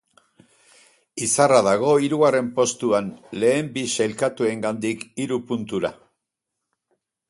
Izarra dago hirugarren postuan lehen bi saikatuengandik hiru puntura.